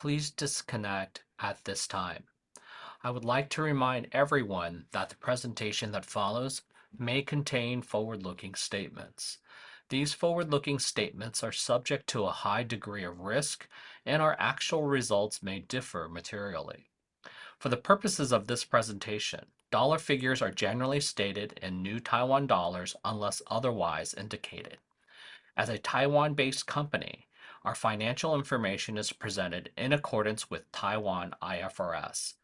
Please disconnect at this time. I would like to remind everyone that the presentation that follows may contain forward-looking statements. These forward-looking statements are subject to a high degree of risk and our actual results may differ materially. For the purposes of this presentation, dollar figures are generally stated in New Taiwan dollars unless otherwise indicated. As a Taiwan-based company, our financial information is presented in accordance with Taiwan IFRS.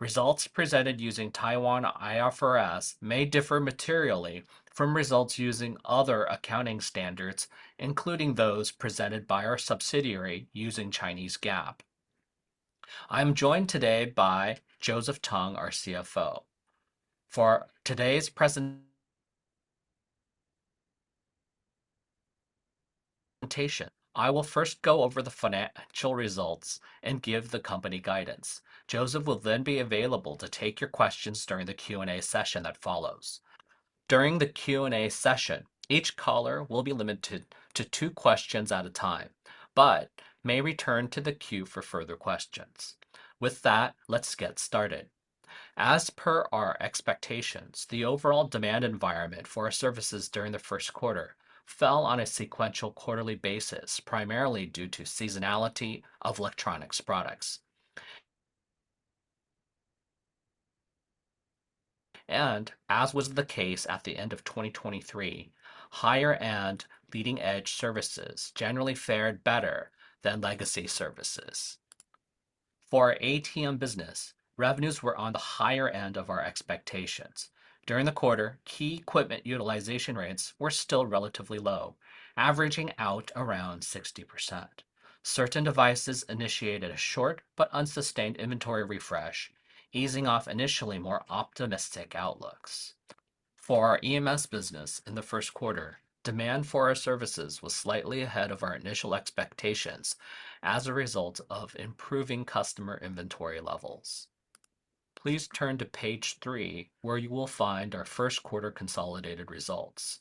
Results presented using Taiwan IFRS may differ materially from results using other accounting standards including those presented by our subsidiary using Chinese GAAP. I am joined today by Joseph Tung, our CFO. For today's presentation, I will first go over the financial results and give the company guidance. Joseph will then be available to take your questions during the Q&A session that follows. During the Q&A session, each caller will be limited to two questions at a time, but may return to the queue for further questions. With that, let's get started. As per our expectations, the overall demand environment for our services during the first quarter fell on a sequential quarterly basis primarily due to seasonality of electronics products. As was the case at the end of 2023, higher-end leading-edge services generally fared better than legacy services. For our ATM business, revenues were on the higher end of our expectations. During the quarter, key equipment utilization rates were still relatively low, averaging out around 60%. Certain devices initiated a short but unsustained inventory refresh, easing off initially more optimistic outlooks. For our EMS business in the first quarter, demand for our services was slightly ahead of our initial expectations as a result of improving customer inventory levels. Please turn to page 3 where you will find our first quarter consolidated results.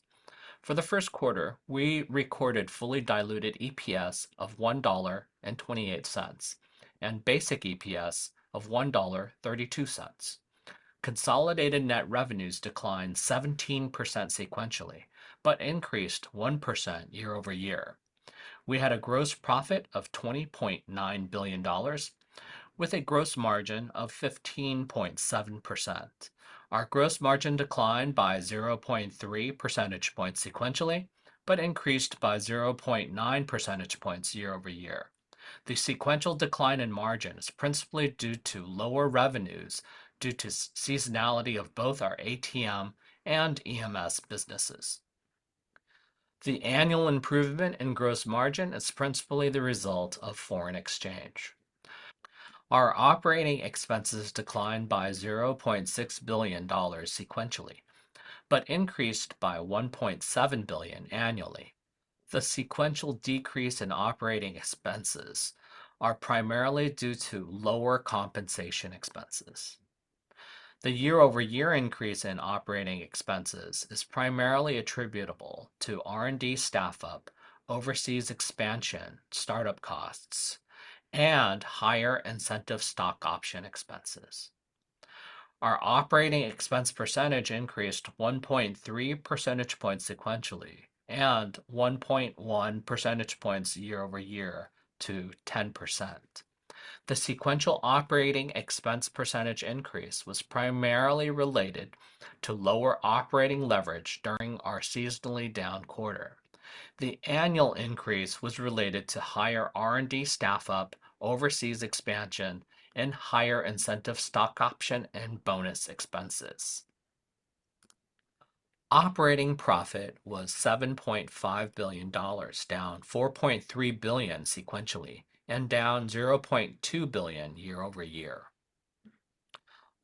For the first quarter, we recorded fully diluted EPS of 1.28 dollar and basic EPS of 1.32 dollar. Consolidated net revenues declined 17% sequentially but increased 1% year-over-year. We had a gross profit of 20.9 billion dollars with a gross margin of 15.7%. Our gross margin declined by 0.3 percentage points sequentially but increased by 0.9 percentage points year-over-year. The sequential decline in margin is principally due to lower revenues due to seasonality of both our ATM and EMS businesses. The annual improvement in gross margin is principally the result of foreign exchange. Our operating expenses declined by 0.6 billion dollars sequentially but increased by 1.7 billion annually. The sequential decrease in operating expenses is primarily due to lower compensation expenses. The year-over-year increase in operating expenses is primarily attributable to R&D staff-up, overseas expansion startup costs, and higher incentive stock option expenses. Our operating expense percentage increased 1.3 percentage points sequentially and 1.1 percentage points year-over-year to 10%. The sequential operating expense percentage increase was primarily related to lower operating leverage during our seasonally down quarter. The annual increase was related to higher R&D staff-up, overseas expansion, and higher incentive stock option and bonus expenses. Operating profit was 7.5 billion dollars down 4.3 billion sequentially and down 0.2 billion year-over-year.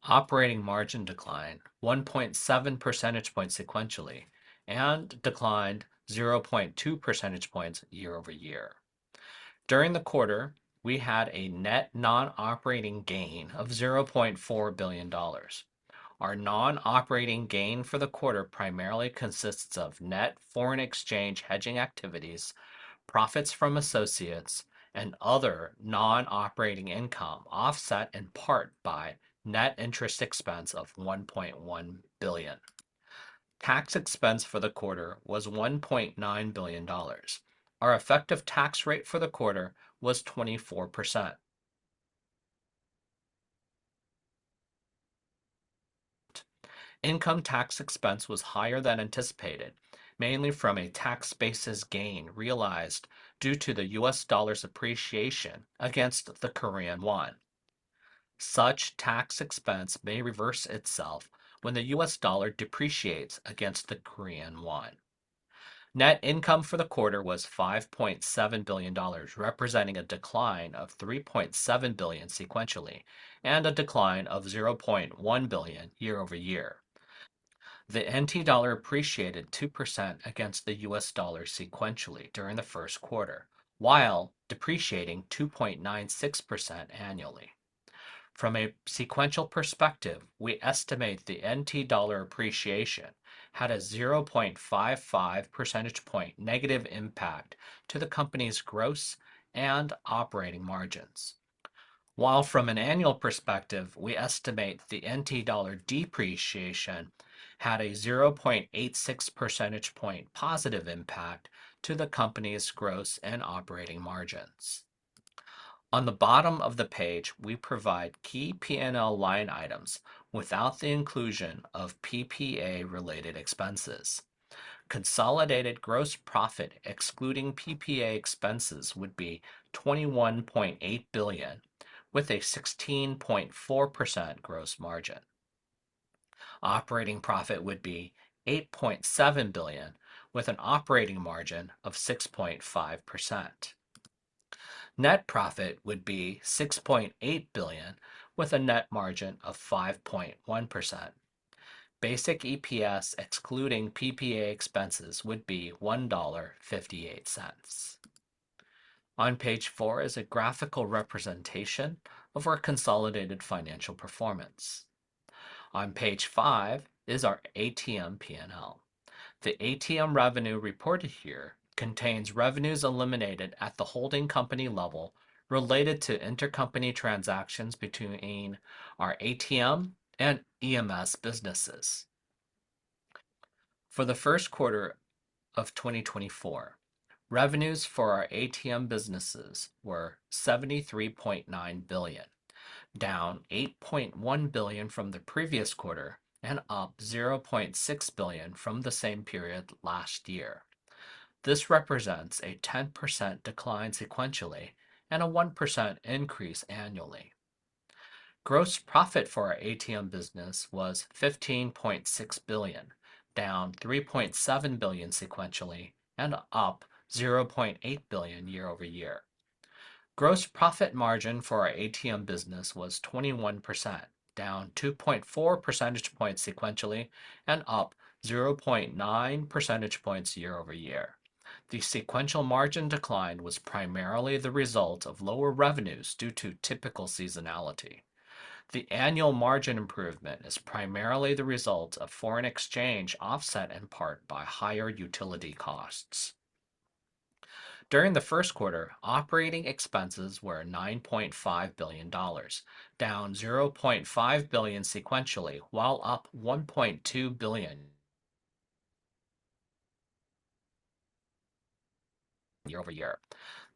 Operating margin declined 1.7 percentage points sequentially and declined 0.2 percentage points year-over-year. During the quarter, we had a net non-operating gain of 0.4 billion dollars. Our non-operating gain for the quarter primarily consists of net foreign exchange hedging activities, profits from associates, and other non-operating income offset in part by net interest expense of 1.1 billion. Tax expense for the quarter was 1.9 billion dollars. Our effective tax rate for the quarter was 24%. Income tax expense was higher than anticipated, mainly from a tax basis gain realized due to the U.S. dollar's appreciation against the Korean won. Such tax expense may reverse itself when the U.S. dollar depreciates against the Korean won. Net income for the quarter was 5.7 billion dollars, representing a decline of 3.7 billion sequentially and a decline of 0.1 billion year-over-year. The NT dollar appreciated 2% against the U.S. dollar sequentially during the first quarter while depreciating 2.96% annually. From a sequential perspective, we estimate the New Taiwan dollar appreciation had a 0.55 percentage point negative impact to the company's gross and operating margins. While from an annual perspective, we estimate the New Taiwan dollar depreciation had a 0.86 percentage point positive impact to the company's gross and operating margins. On the bottom of the page, we provide key P&L line items without the inclusion of PPA-related expenses. Consolidated gross profit excluding PPA expenses would be 21.8 billion with a 16.4% gross margin. Operating profit would be 8.7 billion with an operating margin of 6.5%. Net profit would be 6.8 billion with a net margin of 5.1%. Basic EPS excluding PPA expenses would be 1.58 dollar. On page 4 is a graphical representation of our consolidated financial performance. On page 5 is our ATM P&L. The ATM revenue reported here contains revenues eliminated at the holding company level related to intercompany transactions between our ATM and EMS businesses. For the first quarter of 2024, revenues for our ATM businesses were TWD 73.9 billion, down TWD 8.1 billion from the previous quarter and up TWD 0.6 billion from the same period last year. This represents a 10% decline sequentially and a 1% increase annually. Gross profit for our ATM business was 15.6 billion, down 3.7 billion sequentially and up 0.8 billion year-over-year. Gross profit margin for our ATM business was 21%, down 2.4 percentage points sequentially and up 0.9 percentage points year-over-year. The sequential margin decline was primarily the result of lower revenues due to typical seasonality. The annual margin improvement is primarily the result of foreign exchange offset in part by higher utility costs. During the first quarter, operating expenses were 9.5 billion dollars, down 0.5 billion sequentially while up 1.2 billion year-over-year.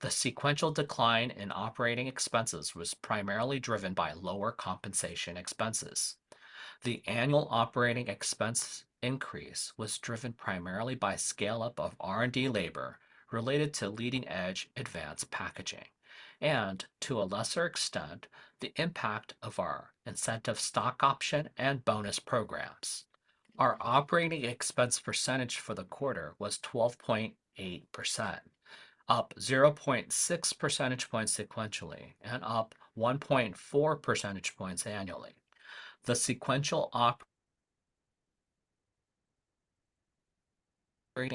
The sequential decline in operating expenses was primarily driven by lower compensation expenses. The annual operating expense increase was driven primarily by scale-up of R&D labor related to leading-edge advanced packaging and, to a lesser extent, the impact of our incentive stock option and bonus programs. Our operating expense percentage for the quarter was 12.8%, up 0.6 percentage points sequentially and up 1.4 percentage points annually. The sequential operating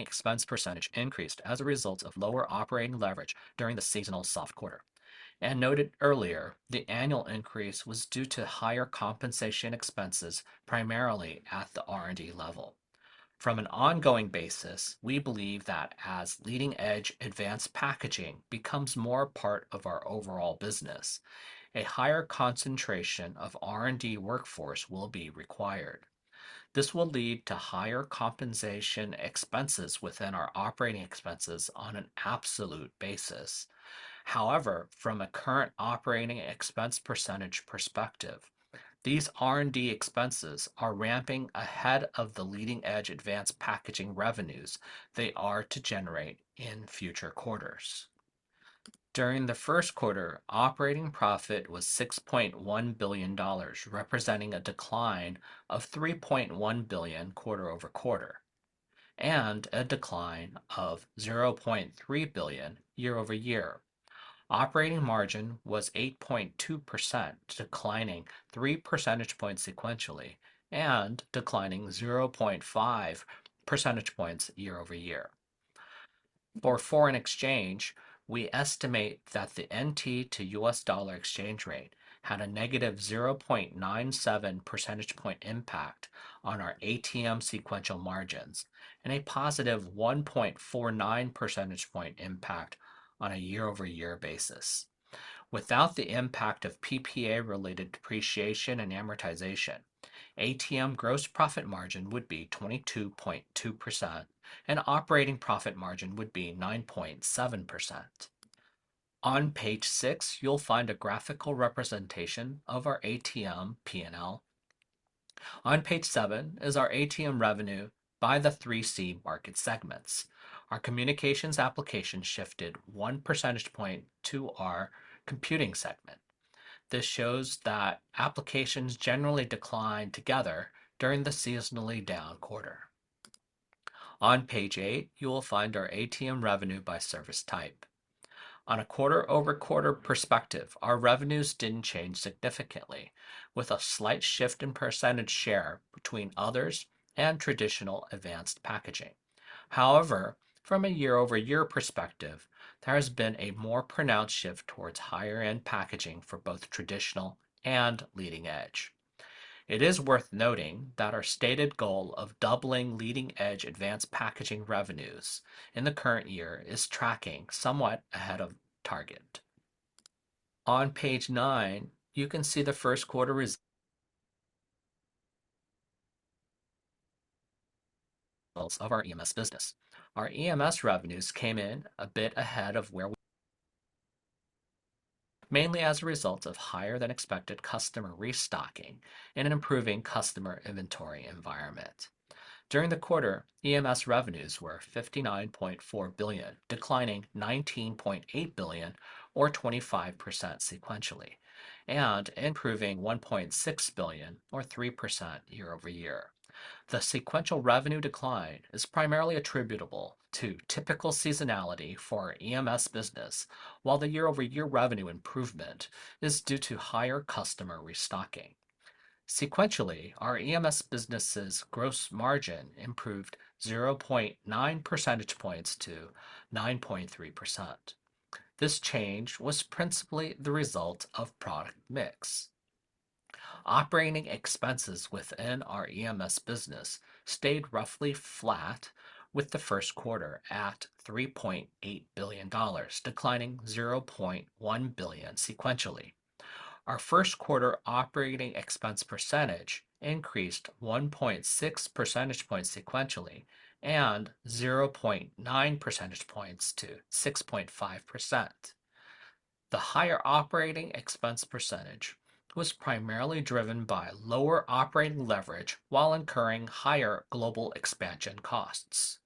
expense percentage increased as a result of lower operating leverage during the seasonal soft quarter. Noted earlier, the annual increase was due to higher compensation expenses primarily at the R&D level. From an ongoing basis, we believe that as leading-edge advanced packaging becomes more part of our overall business, a higher concentration of R&D workforce will be required. This will lead to higher compensation expenses within our operating expenses on an absolute basis. However, from a current operating expense percentage perspective, these R&D expenses are ramping ahead of the leading-edge advanced packaging revenues they are to generate in future quarters. During the first quarter, operating profit was 6.1 billion dollars, representing a decline of 3.1 billion quarter-over-quarter and a decline of 0.3 billion year-over-year. Operating margin was 8.2%, declining three percentage points sequentially and declining 0.5 percentage points year-over-year. For foreign exchange, we estimate that the NT to U.S. dollar exchange rate had a negative 0.97 percentage point impact on our ATM sequential margins and a positive 1.49 percentage point impact on a year-over-year basis. Without the impact of PPA-related depreciation and amortization, ATM gross profit margin would be 22.2% and operating profit margin would be 9.7%. On page 6, you will find a graphical representation of our ATM P&L. On page 7 is our ATM revenue by the 3C market segments. Our communications application shifted 1 percentage point to our computing segment. This shows that applications generally decline together during the seasonally down quarter. On page 8, you will find our ATM revenue by service type. On a quarter-over-quarter perspective, our revenues did not change significantly, with a slight shift in percentage share between others and traditional advanced packaging. However, from a year-over-year perspective, there has been a more pronounced shift towards higher-end packaging for both traditional and leading-edge. It is worth noting that our stated goal of doubling leading-edge advanced packaging revenues in the current year is tracking somewhat ahead of target. On page 9, you can see the first quarter results of our EMS business. Our EMS revenues came in a bit ahead of where we were, mainly as a result of higher-than-expected customer restocking and an improving customer inventory environment. During the quarter, EMS revenues were 59.4 billion, declining 19.8 billion or 25% sequentially and improving 1.6 billion or 3% year-over-year. The sequential revenue decline is primarily attributable to typical seasonality for our EMS business, while the year-over-year revenue improvement is due to higher customer restocking. Sequentially, our EMS business's gross margin improved 0.9 percentage points to 9.3%. This change was principally the result of product mix. Operating expenses within our EMS business stayed roughly flat with the first quarter at 3.8 billion dollars, declining 0.1 billion sequentially. Our first quarter operating expense percentage increased 1.6 percentage points sequentially and 0.9 percentage points to 6.5%. The higher operating expense percentage was primarily driven by lower operating leverage while incurring higher global expansion costs.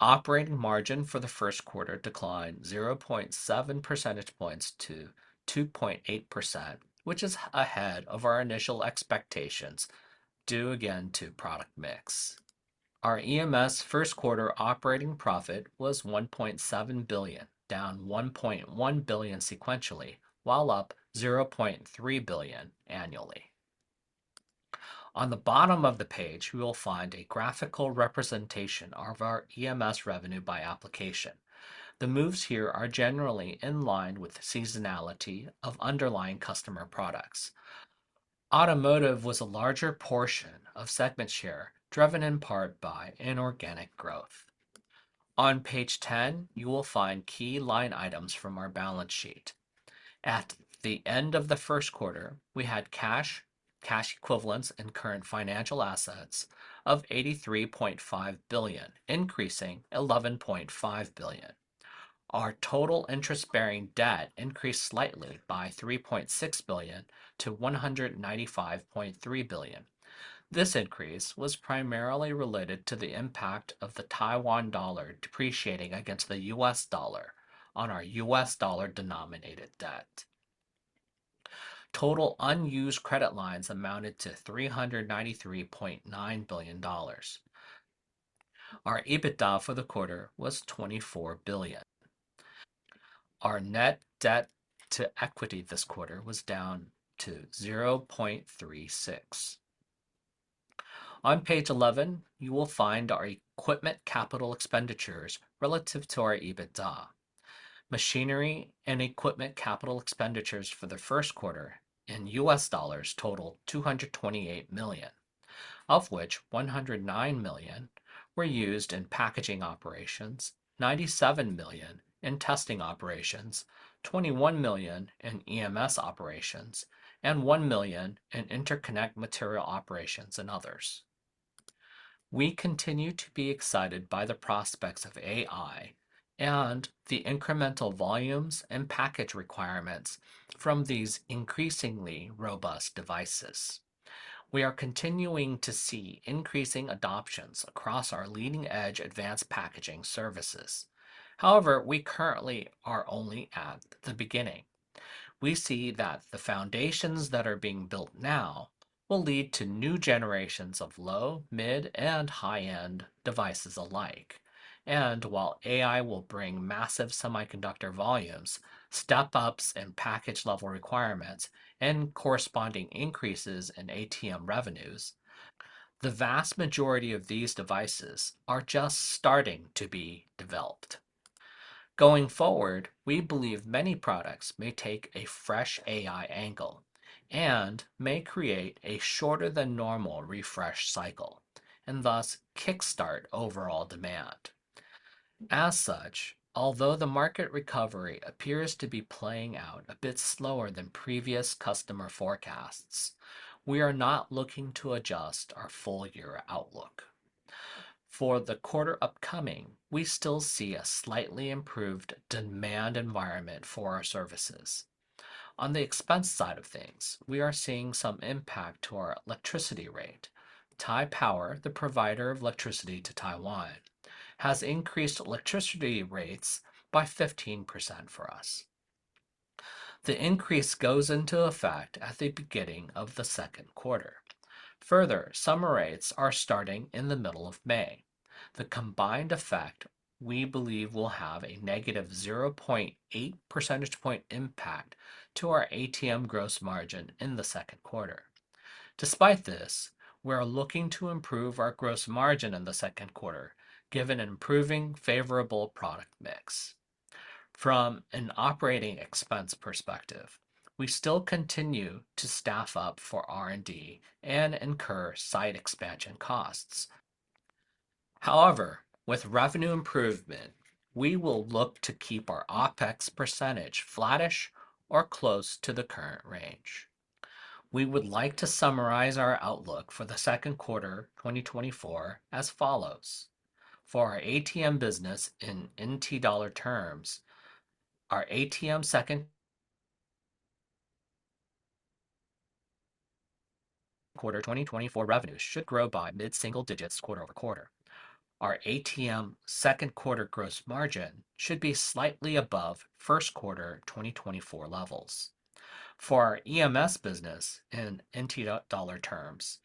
Operating margin for the first quarter declined 0.7 percentage points to 2.8%, which is ahead of our initial expectations, due again to product mix. Our EMS first quarter operating profit was 1.7 billion, down 1.1 billion sequentially while up 0.3 billion annually. On the bottom of the page, you will find a graphical representation of our EMS revenue by application. The moves here are generally in line with the seasonality of underlying customer products. Automotive was a larger portion of segment share driven in part by inorganic growth. On page 10, you will find key line items from our balance sheet. At the end of the first quarter, we had cash, cash equivalents, and current financial assets of 83.5 billion, increasing 11.5 billion. Our total interest-bearing debt increased slightly by 3.6 billion to 195.3 billion. This increase was primarily related to the impact of the Taiwan dollar depreciating against the U.S. dollar on our U.S. dollar denominated debt. Total unused credit lines amounted to 393.9 billion dollars. Our EBITDA for the quarter was 24 billion. Our net debt to equity this quarter was down to 0.36 billion. On page 11, you will find our equipment capital expenditures relative to our EBITDA. Machinery and equipment capital expenditures for the first quarter in U.S. dollars totaled 228 million, of which 109 million were used in packaging operations, 97 million in testing operations, 21 million in EMS operations, and 1 million in interconnect material operations and others. We continue to be excited by the prospects of AI and the incremental volumes and package requirements from these increasingly robust devices. We are continuing to see increasing adoptions across our leading-edge advanced packaging services. However, we currently are only at the beginning. We see that the foundations that are being built now will lead to new generations of low, mid, and high-end devices alike. And while AI will bring massive semiconductor volumes, step-ups in package-level requirements, and corresponding increases in ATM revenues, the vast majority of these devices are just starting to be developed. Going forward, we believe many products may take a fresh AI angle and may create a shorter-than-normal refresh cycle and thus kickstart overall demand. As such, although the market recovery appears to be playing out a bit slower than previous customer forecasts, we are not looking to adjust our full-year outlook. For the quarter upcoming, we still see a slightly improved demand environment for our services. On the expense side of things, we are seeing some impact to our electricity rate. Taipower, the provider of electricity to Taiwan, has increased electricity rates by 15% for us. The increase goes into effect at the beginning of the second quarter. Further, summer rates are starting in the middle of May. The combined effect we believe will have a -0.8 percentage point impact to our ATM gross margin in the second quarter. Despite this, we are looking to improve our gross margin in the second quarter given an improving favorable product mix. From an operating expense perspective, we still continue to staff up for R&D and incur site expansion costs. However, with revenue improvement, we will look to keep our OpEx percentage flattish or close to the current range. We would like to summarize our outlook for the second quarter 2024 as follows: For our ATM business in NT dollar terms, our ATM second quarter 2024 revenues should grow by mid-single digits quarter-over-quarter. Our ATM second quarter gross margin should be slightly above first quarter 2024 levels. For our EMS business in NT dollar terms,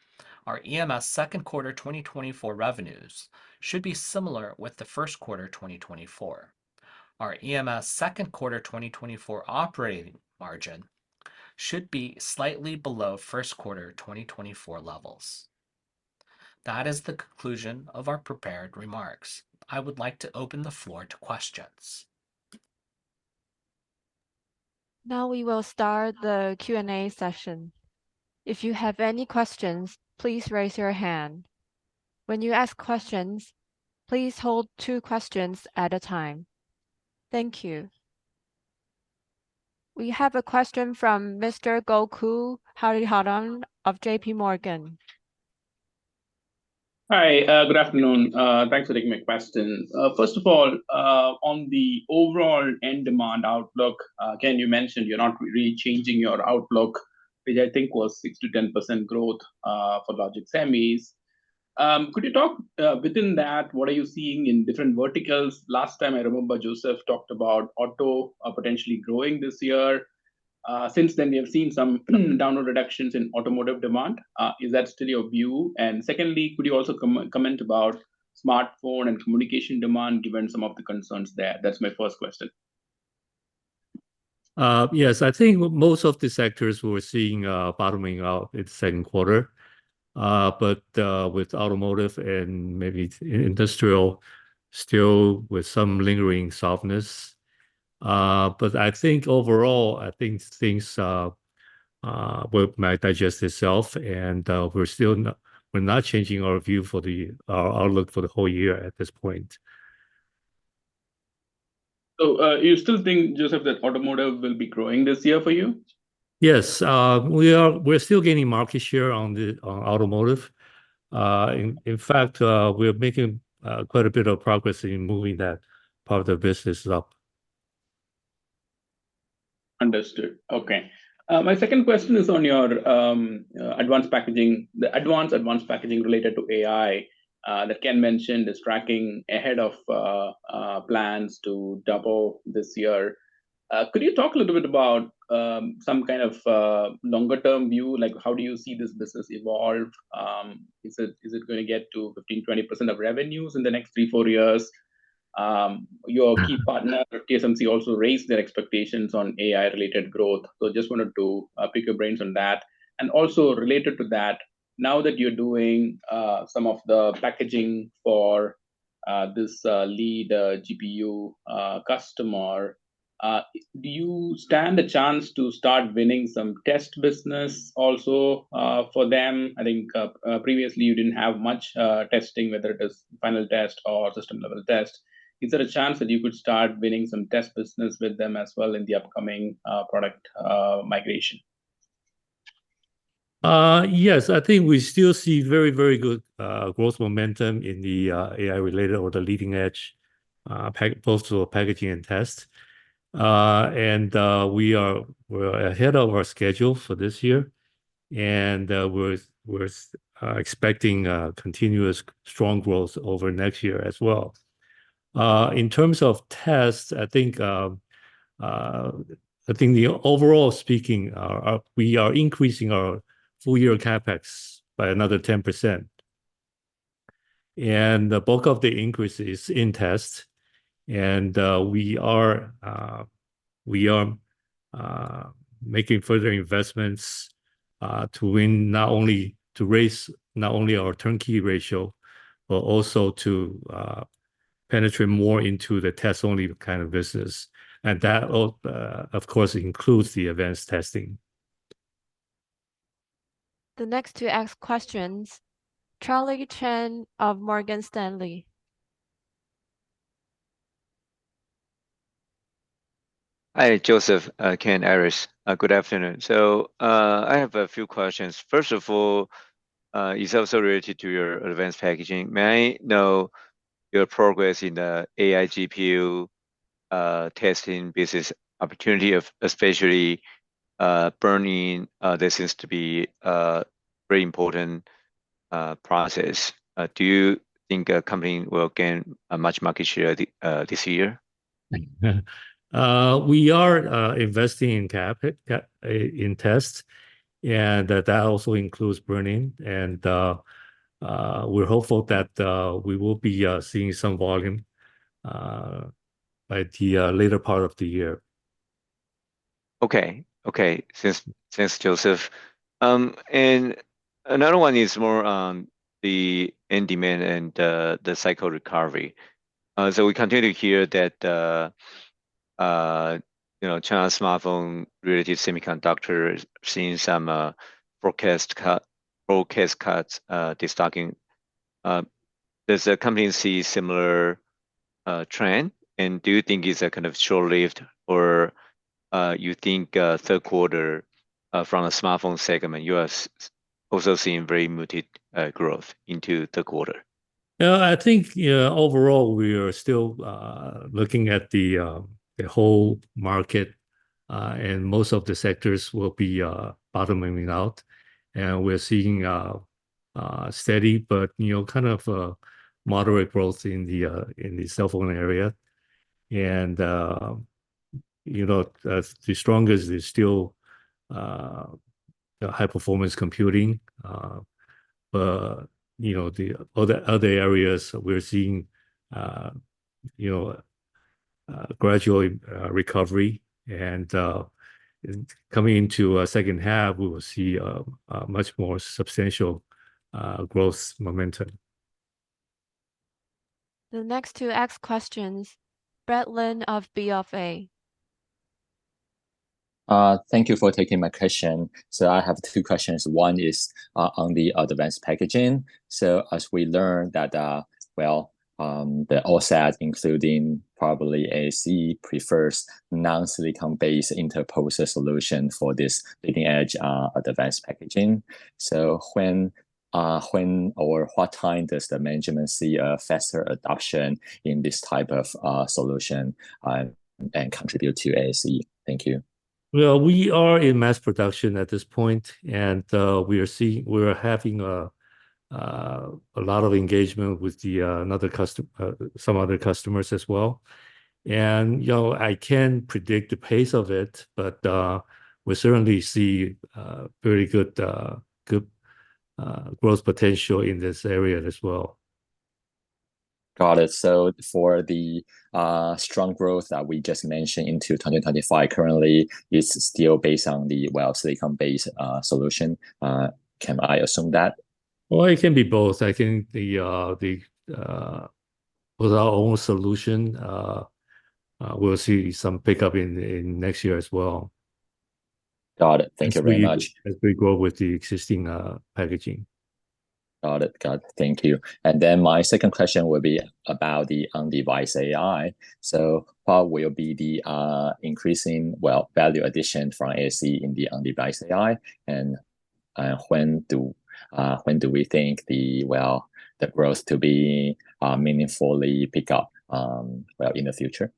our EMS second quarter 2024 revenues should be similar with the first quarter 2024. Our EMS second quarter 2024 operating margin should be slightly below first quarter 2024 levels. That is the conclusion of our prepared remarks. I would like to open the floor to questions. Now we will start the Q&A session. If you have any questions, please raise your hand. When you ask questions, please hold two questions at a time. Thank you. We have a question from Mr. Gokul Hariharan of JPMorgan. Hi. Good afternoon. Thanks for taking my question. First of all, on the overall end demand outlook, Ken, you mentioned you're not really changing your outlook, which I think was 6%-10% growth for logic semis. Could you talk within that, what are you seeing in different verticals? Last time I remember Joseph talked about auto potentially growing this year. Since then, we have seen some downward reductions in automotive demand. Is that still your view? And secondly, could you also comment about smartphone and communication demand given some of the concerns there? That's my first question. Yes, I think most of the sectors we're seeing bottoming out in the second quarter. But with automotive and maybe industrial, still with some lingering softness. But I think overall, I think things might digest itself. And we're still not changing our view for our outlook for the whole year at this point. So you still think, Joseph, that automotive will be growing this year for you? Yes. We are still gaining market share on the automotive. In fact, we're making quite a bit of progress in moving that part of the business up. Understood. Okay. My second question is on your advanced packaging, the advanced advanced packaging related to AI that Ken mentioned is tracking ahead of plans to double this year. Could you talk a little bit about some kind of longer-term view? Like, how do you see this business evolve? Is it is it going to get to 15%-20% of revenues in the next 3-4 years? Your key partner, TSMC, also raised their expectations on AI-related growth. So just wanted to pick your brains on that. And also related to that, now that you're doing some of the packaging for this lead GPU customer, do you stand a chance to start winning some test business also for them? I think previously you didn't have much testing, whether it is final test or system-level test. Is there a chance that you could start winning some test business with them as well in the upcoming product migration? Yes, I think we still see very, very good growth momentum in the AI-related or the leading-edge, both for packaging and test. And we're ahead of our schedule for this year. And we're expecting continuous strong growth over next year as well. In terms of tests, I think, overall speaking, we are increasing our full-year CapEx by another 10%. And the bulk of the increase is in tests. And we are making further investments not only to raise our turnkey ratio, but also to penetrate more into the test-only kind of business. And that, of course, includes the advanced testing. The next to ask questions. Charlie Chen of Morgan Stanley. Hi, Joseph. Ken, Iris. Good afternoon. I have a few questions. First of all, it's also related to your advanced packaging. May I know your progress in the AI GPU testing business opportunity, especially burn-in? There seems to be a very important process. Do you think a company will gain much market share this year? We are investing in CapEx in tests. That also includes burn-in. We're hopeful that we will be seeing some volume by the later part of the year. Okay. Okay. Thanks, Joseph. And another one is more on the end demand and the cycle recovery. So we continue to hear that China smartphone-related semiconductors are seeing some forecast cuts, cuts, cuts, destocking. Does the company see a similar trend? And do you think it's a kind of short-lived, or you think third quarter from a smartphone segment, you are also seeing very muted growth into third quarter? Yeah, I think overall we are still looking at the whole market. Most of the sectors will be bottoming out. We're seeing steady, but you know kind of moderate growth in the cell phone area. You know the strongest is still the high-performance computing. But you know the other areas, we're seeing you know gradual recovery. Coming into a second half, we will see much more substantial growth momentum. The next to ask questions. Brad Lin of BofA. Thank you for taking my question. So I have two questions. One is on the advanced packaging. So as we learned that, well, the OSAT, including probably ASE, prefers non-silicon-based interposer solution for this leading-edge advanced packaging. So when or what time does the management see a faster adoption in this type of solution and contribute to ASE? Thank you. Well, we are in mass production at this point. We are seeing we're having a lot of engagement with another customer, some other customers as well. You know, I can't predict the pace of it, but we certainly see very good growth potential in this area as well. Got it. So for the strong growth that we just mentioned into 2025, currently it's still based on the, well, silicon-based solution. Can I assume that? Well, it can be both. I think with our own solution, we'll see some pickup in next year as well. Got it. Thank you very much. As we grow with the existing packaging. Got it. Got it. Thank you. And then my second question will be about the on-device AI. So what will be the increasing, well, value addition from ASE in the on-device AI? And when do we think the, well, the growth to be meaningfully picked up, well, in the future?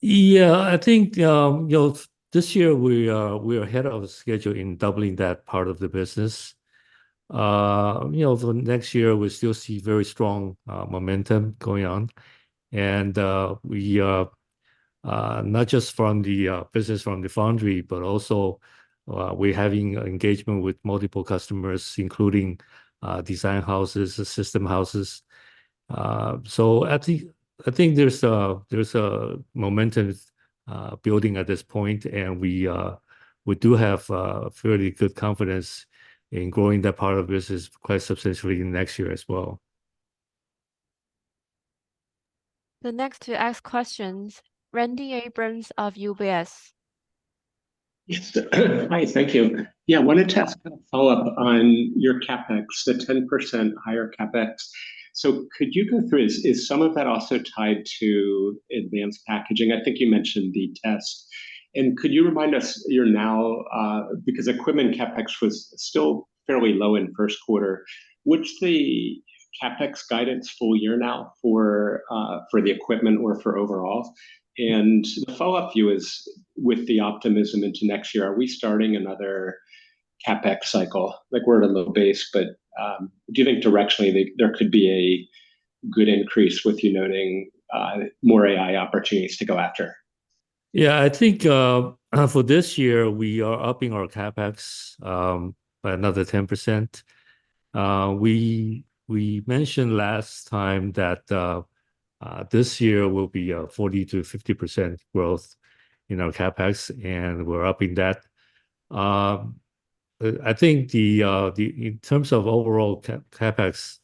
Yeah, I think, you know, this year we are ahead of the schedule in doubling that part of the business. You know, for next year, we still see very strong momentum going on. And we not just from the business from the foundry, but also we're having engagement with multiple customers, including design houses, system houses. So I think there's a momentum building at this point. And we do have fairly good confidence in growing that part of business quite substantially in next year as well. The next to ask questions. Randy Abrams of UBS. Yes. Hi. Thank you. Yeah, I wanted to ask kind of follow up on your CapEx, the 10% higher CapEx. So could you go through is some of that also tied to advanced packaging? I think you mentioned the test. And could you remind us now because equipment CapEx was still fairly low in first quarter. What's the CapEx guidance full year now for the equipment or for overall? And the follow-up view is with the optimism into next year, are we starting another CapEx cycle? Like, we're at a low base, but do you think directionally there could be a good increase with you noting more AI opportunities to go after? Yeah, I think for this year, we are upping our CapEx by another 10%. We mentioned last time that this year will be 40%-50% growth in our CapEx. We're upping that. I think in terms of overall CapEx,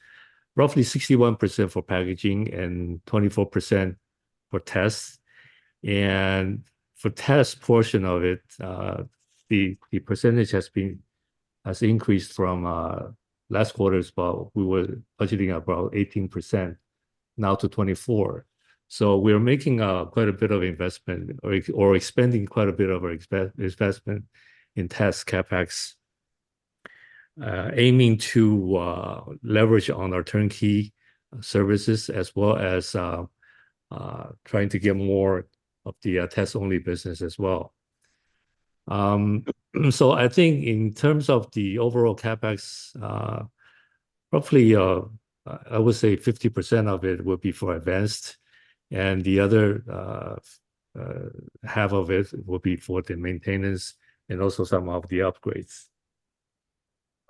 roughly 61% for packaging and 24% for tests. And for test portion of it, the percentage has increased from last quarter's about we were budgeting about 18% now to 24%. So we're making quite a bit of investment or expending quite a bit of our investment in test CapEx, aiming to leverage on our turnkey services as well as trying to get more of the test-only business as well. So I think in terms of the overall CapEx, roughly I would say 50% of it will be for advanced. The other half of it will be for the maintenance and also some of the upgrades.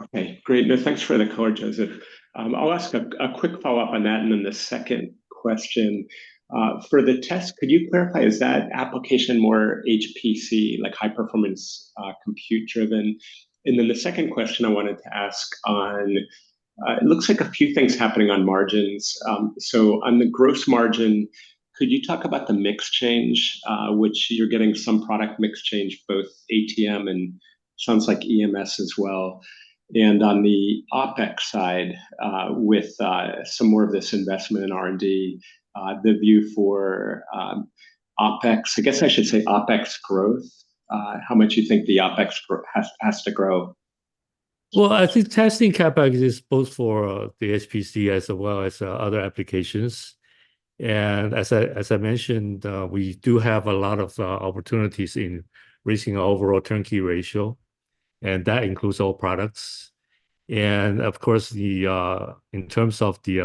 Okay. Great. No, thanks for the call, Joseph. I'll ask a quick follow-up on that and then the second question. For the test, could you clarify, is that application more HPC, like high-performance compute-driven? And then the second question I wanted to ask on it looks like a few things happening on margins. So on the gross margin, could you talk about the mix change, which you're getting some product mix change, both ATM and sounds like EMS as well. And on the OpEx side, with some more of this investment in R&D, the view for OpEx I guess I should say OpEx growth, how much you think the OpEx has to grow. Well, I think testing CapEx is both for the HPC as well as other applications. And as I mentioned, we do have a lot of opportunities in raising our overall turnkey ratio. And that includes all products. And of course, in terms of the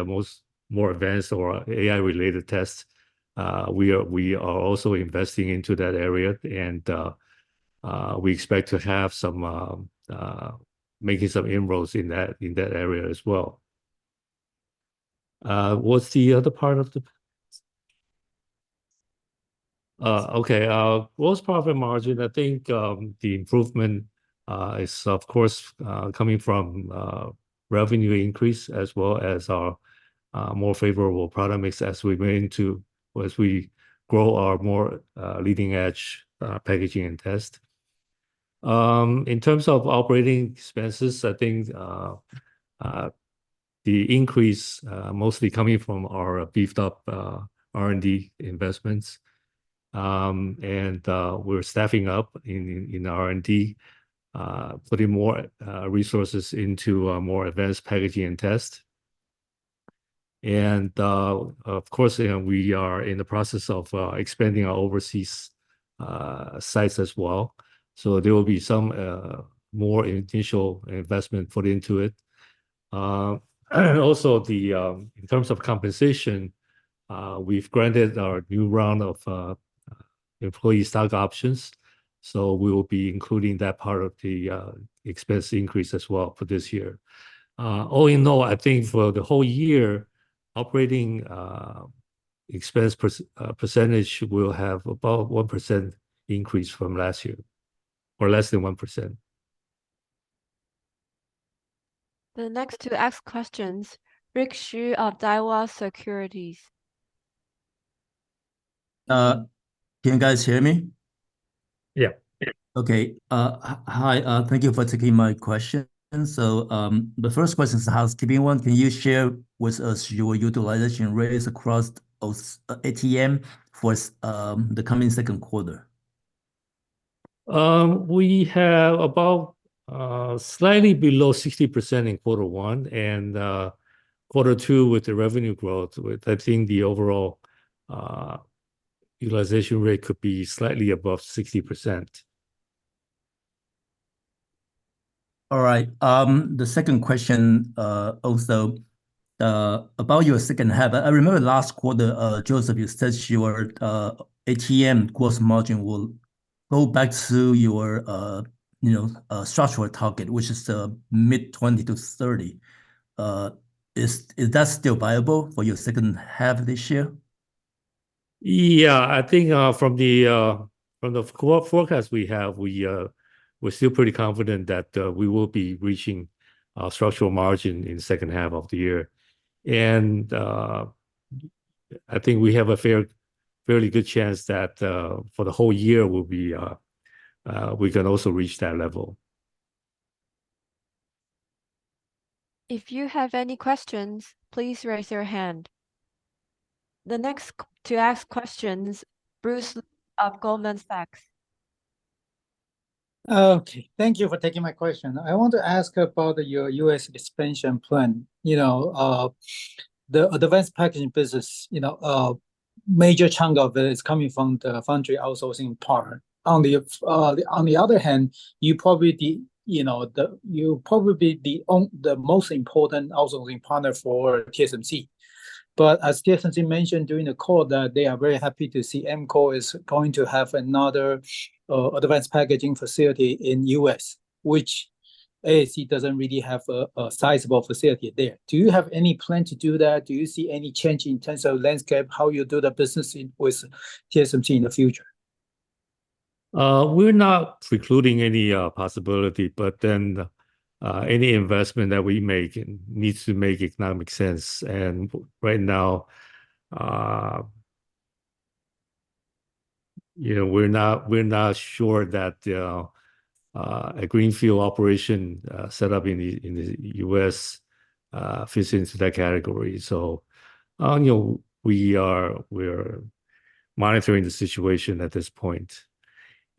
more advanced or AI-related tests, we are also investing into that area. And we expect to have making some inroads in that area as well. What's the other part of the okay. Gross profit margin, I think the improvement is, of course, coming from revenue increase as well as our more favorable product mix as we go into as we grow our more leading-edge packaging and tests. In terms of operating expenses, I think the increase mostly coming from our beefed-up R&D investments. And we're staffing up in R&D, putting more resources into more advanced packaging and tests. Of course, we are in the process of expanding our overseas sites as well. There will be some more initial investment put into it. Also, in terms of compensation, we've granted our new round of employee stock options. We will be including that part of the expense increase as well for this year. All in all, I think for the whole year, operating expense percentage will have about 1% increase from last year or less than 1%. The next to ask questions. Rick Hsu of Daiwa Securities. Can you guys hear me? Yeah. Okay. Hi. Thank you for taking my question. So the first question is a housekeeping one. Can you share with us your utilization rates across ATM for the coming second quarter? We have about slightly below 60% in quarter one and quarter two with the revenue growth. I think the overall utilization rate could be slightly above 60%. All right. The second question, also, about your second half. I remember last quarter, Joseph, you said your ATM gross margin will go back to your structural target, which is the mid-20%-30%. Is that still viable for your second half this year? Yeah, I think from the forecast we have, we're still pretty confident that we will be reaching our structural margin in the second half of the year. And I think we have a fairly good chance that for the whole year, we can also reach that level. If you have any questions, please raise your hand. The next to ask questions. Bruce of Goldman Sachs. Okay. Thank you for taking my question. I want to ask about your U.S. expansion plan. You know the advanced packaging business, you know a major chunk of it is coming from the foundry outsourcing partner. On the other hand, you probably, you know, be the most important outsourcing partner for TSMC. But as TSMC mentioned during the call, that they are very happy to see Amkor is going to have another advanced packaging facility in the U.S., which ASE doesn't really have a sizable facility there. Do you have any plan to do that? Do you see any change in terms of landscape, how you do the business with TSMC in the future? We're not precluding any possibility, but then any investment that we make needs to make economic sense. And right now, you know we're not sure that a greenfield operation set up in the U.S. fits into that category. So you know we are monitoring the situation at this point.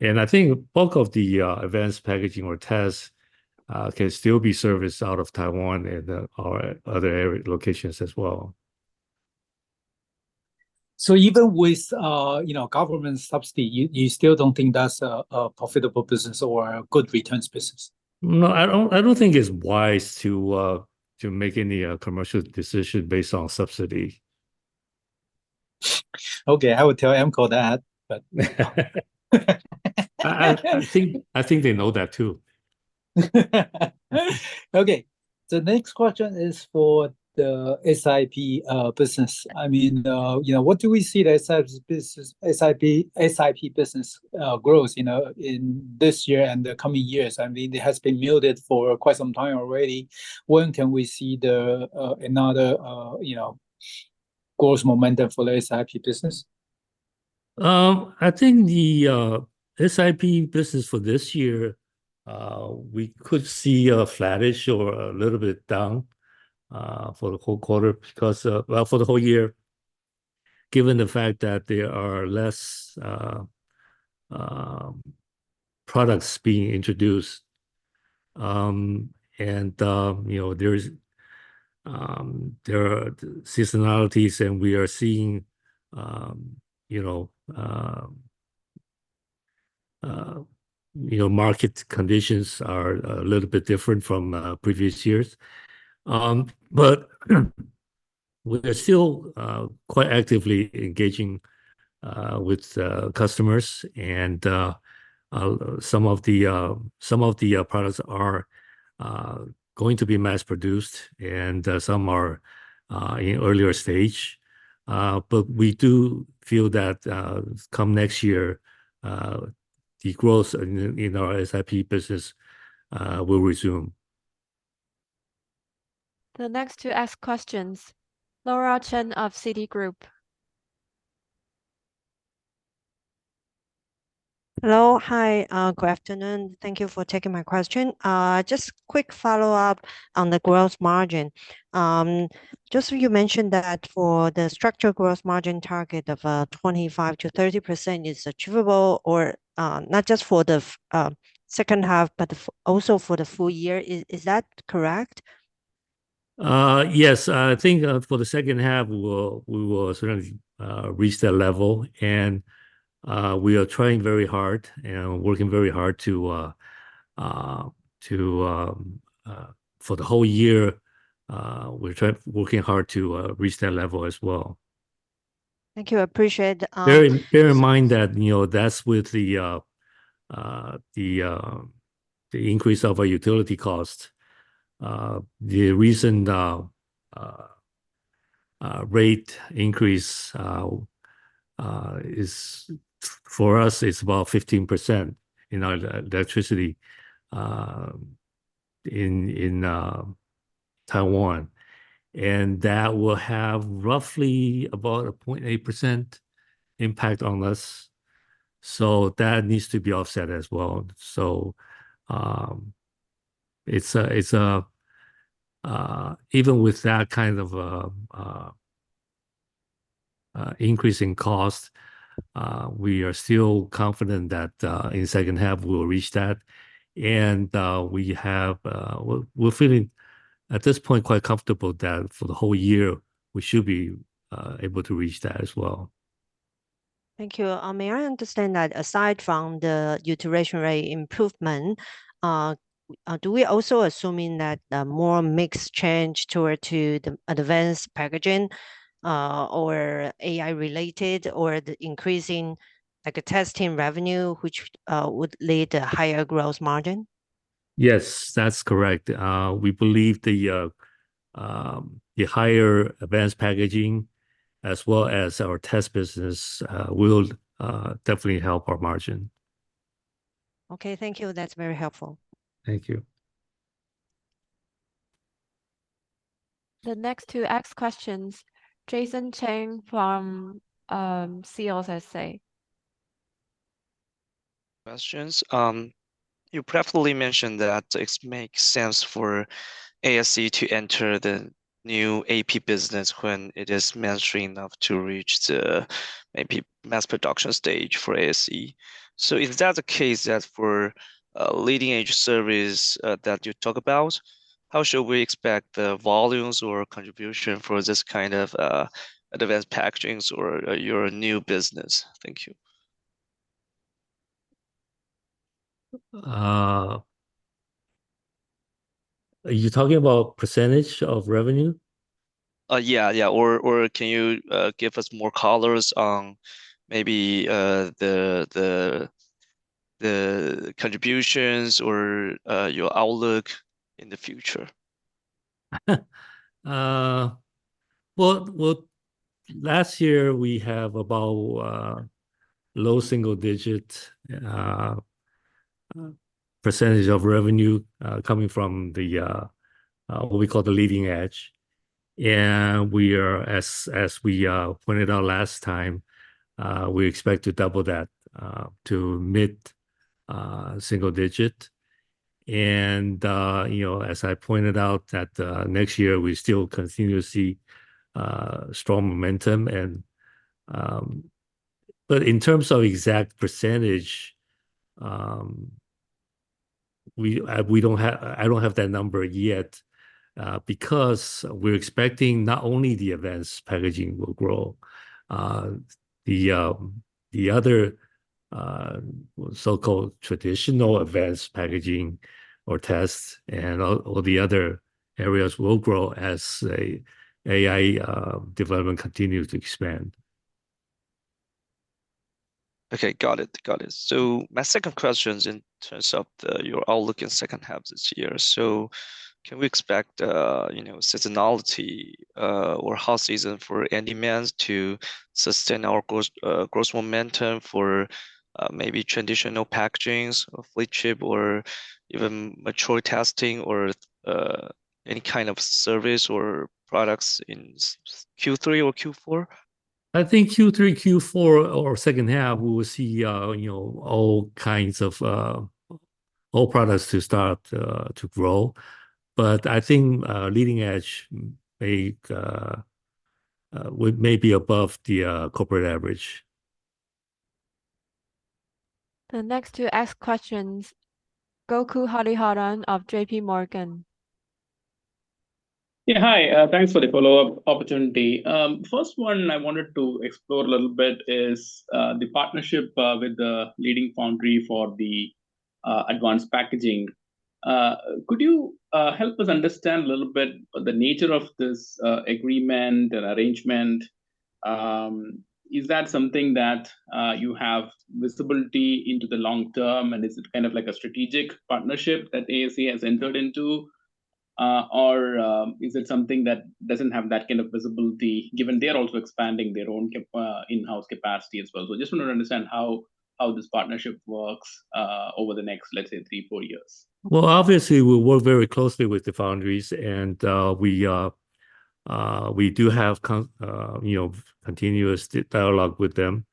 And I think bulk of the advanced packaging or tests can still be serviced out of Taiwan and our other area locations as well. Even with you know government subsidy, you still don't think that's a profitable business or a good returns business? No, I don't think it's wise to make any commercial decision based on subsidy. Okay. I will tell Amkor that, but. I think they know that too. Okay. The next question is for the SiP business. I mean, you know, what do we see the SiP business growth, you know, in this year and the coming years? I mean, it has been muted for quite some time already. When can we see another, you know, growth momentum for the SiP business? I think the SiP business for this year, we could see a flattish or a little bit down for the whole quarter because well, for the whole year, given the fact that there are less products being introduced. And you know there are seasonalities, and we are seeing you know you know market conditions are a little bit different from previous years. But we are still quite actively engaging with customers. And some of the products are going to be mass-produced, and some are in earlier stage. But we do feel that come next year, the growth in our SiP business will resume. The next to ask questions. Laura Chen of Citigroup. Hello. Hi. Good afternoon. Thank you for taking my question. Just quick follow-up on the gross margin. Joseph, you mentioned that for the structural gross margin target of 25%-30% is achievable, or not just for the second half, but also for the full year. Is that correct? Yes. I think for the second half, we will certainly reach that level. And we are trying very hard and working very hard to for the whole year, we're trying, working hard to reach that level as well. Thank you. I appreciate it. Bear in mind that you know that's with the increase of our utility costs. The recent rate increase is for us, it's about 15% in our electricity in Taiwan. And that will have roughly about a 0.8% impact on us. So that needs to be offset as well. So it's a even with that kind of increase in cost, we are still confident that in second half, we will reach that. And we're feeling at this point quite comfortable that for the whole year, we should be able to reach that as well. Thank you. May I understand that aside from the utility rate improvement, do we also assume that more mixed change toward to the advanced packaging or AI-related or the increasing, like, testing revenue, which would lead to higher gross margin? Yes, that's correct. We believe the higher advanced packaging as well as our test business will definitely help our margin. Okay. Thank you. That's very helpful. Thank you. The next two ask questions. Jason Cheng from CLSA. Question. You previously mentioned that it makes sense for ASE to enter the new AP business when it is mainstream enough to reach the maybe mass production stage for ASE. So is that the case that for leading-edge service that you talk about, how should we expect the volumes or contribution for this kind of advanced packagings or your new business? Thank you. Are you talking about percentage of revenue? Yeah, yeah. Or can you give us more colors on maybe the contributions or your outlook in the future? Well, well, last year, we have about low single-digit percentage of revenue coming from the what we call the leading edge. And we are as we pointed out last time, we expect to double that to mid-single-digit. And you know as I pointed out, that next year, we still continue to see strong momentum. And but in terms of exact percentage, we don't have. I don't have that number yet because we're expecting not only the advanced packaging will grow. The other so-called traditional advanced packaging or tests and all the other areas will grow as AI development continues to expand. Okay. Got it. Got it. So my second question is in terms of your outlook in second half this year. So can we expect seasonality or hot season for any means to sustain our gross momentum for maybe traditional packagings, flagship, or even mature testing or any kind of service or products in Q3 or Q4? I think Q3, Q4, or second half, we will see, you know, all kinds of all products to start to grow. But I think leading edge may be above the corporate average. The next to ask questions. Gokul Hariharan of JPMorgan. Yeah. Hi. Thanks for the follow-up opportunity. First one, I wanted to explore a little bit is the partnership with the leading foundry for the advanced packaging. Could you help us understand a little bit the nature of this agreement and arrangement? Is that something that you have visibility into the long term? And is it kind of like a strategic partnership that ASE has entered into? Or is it something that doesn't have that kind of visibility given they are also expanding their own in-house capacity as well? So I just want to understand how this partnership works over the next, let's say, three, four years. Well, obviously, we work very closely with the foundries, and we do have, you know, continuous dialogue with them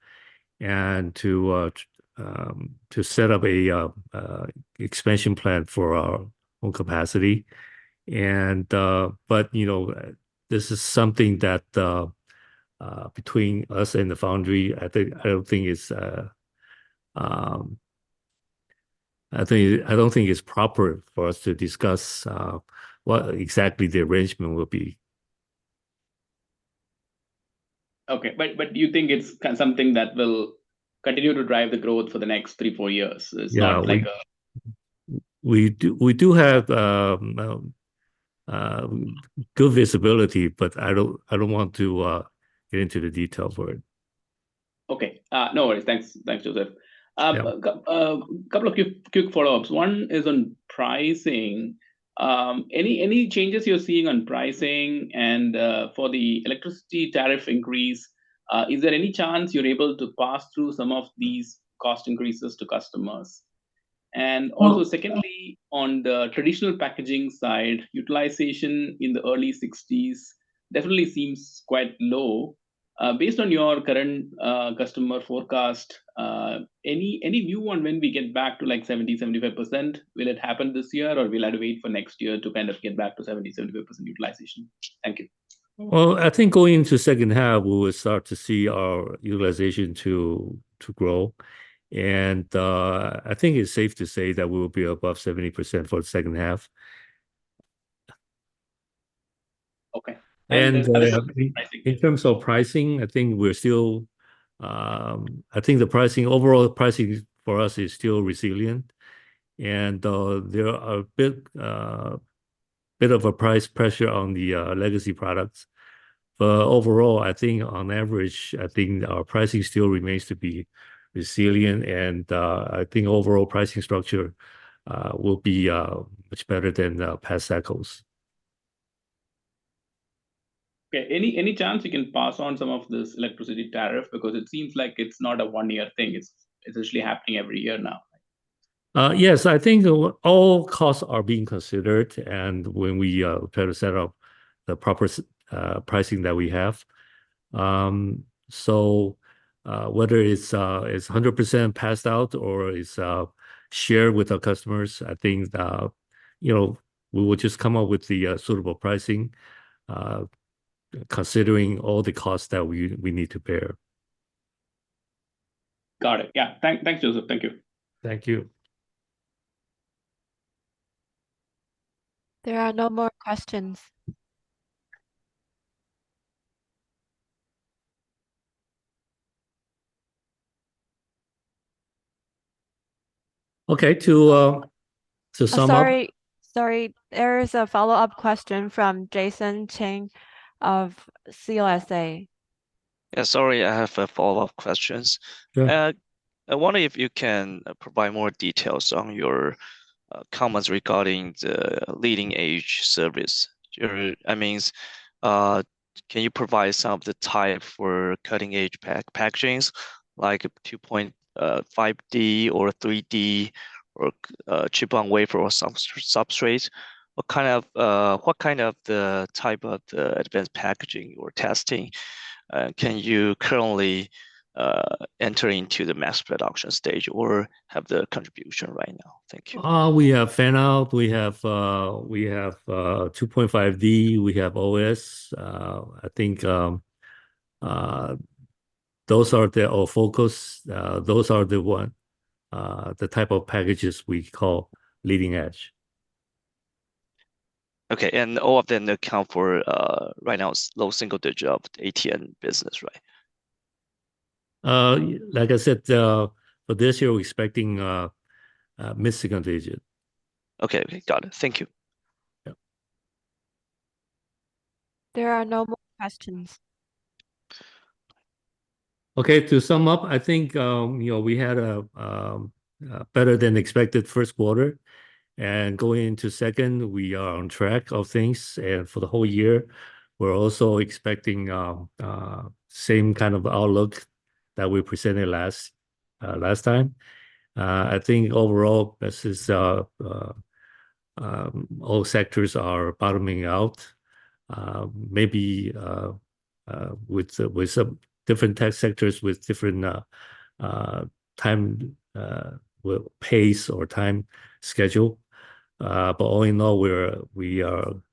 and to set up an expansion plan for our own capacity. But you know this is something that between us and the foundry, I don't think it's proper for us to discuss what exactly the arrangement will be. Okay. But do you think it's something that will continue to drive the growth for the next three, four years? It's not like a. Yeah. We do have good visibility, but I don't want to get into the details for it. Okay. No worries. Thanks. Thanks, Joseph. A couple of quick follow-ups. One is on pricing. Any changes you're seeing on pricing and for the electricity tariff increase, is there any chance you're able to pass through some of these cost increases to customers? And also, secondly, on the traditional packaging side, utilization in the early 60s% definitely seems quite low. Based on your current customer forecast, any new one when we get back to, like, 70%-75%, will it happen this year, or will it wait for next year to kind of get back to 70%-75% utilization? Thank you. Well, I think going into second half, we will start to see our utilization to grow. I think it's safe to say that we will be above 70% for the second half. Okay. Thank you. In terms of pricing, I think we're still. I think the pricing overall pricing for us is still resilient. There are a bit of a price pressure on the legacy products. But overall, I think on average, I think our pricing still remains to be resilient. I think overall pricing structure will be much better than past cycles. Okay. Any chance you can pass on some of this electricity tariff because it seems like it's not a one-year thing. It's actually happening every year now, right? Yes. I think all costs are being considered and when we try to set up the proper pricing that we have. So whether it's 100% passed out or it's shared with our customers, I think you know we will just come up with the suitable pricing considering all the costs that we need to bear. Got it. Yeah. Thanks, Joseph. Thank you. Thank you. There are no more questions. Okay. To sum up. I'm sorry. Sorry. There is a follow-up question from Jason Cheng of CLSA. Yeah. Sorry. I have a follow-up question. I wonder if you can provide more details on your comments regarding the leading-edge service. I mean, can you provide some of the type for cutting-edge packagings, like 2.5D or 3D or Chip-on-Wafer or substrate? What kind of the type of the advanced packaging or testing can you currently enter into the mass production stage or have the contribution right now? Thank you. We have fan-out. We have 2.5D. We have OS. I think those are all the focus. Those are the type of packages we call leading edge. Okay. And all of them account for right now, it's low single digit of the ATM business, right? Like I said, for this year, we're expecting mid-single digit. Okay. Okay. Got it. Thank you. Yeah. There are no more questions. Okay. To sum up, I think you know we had a better than expected first quarter. Going into second, we are on track of things. For the whole year, we're also expecting same kind of outlook that we presented last time. I think overall, this is all sectors are bottoming out, maybe with some different tech sectors with different time pace or time schedule. But all in all, we're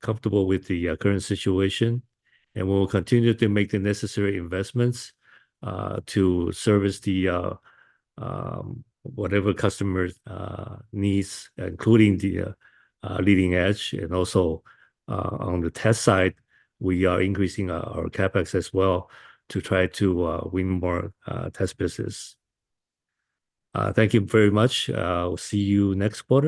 comfortable with the current situation. We will continue to make the necessary investments to service the whatever customer needs, including the leading edge. Also on the test side, we are increasing our CapEx as well to try to win more test business. Thank you very much. See you next quarter.